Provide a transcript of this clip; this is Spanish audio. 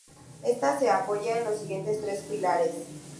Estas se apoyan en los siguientes tres "pilares".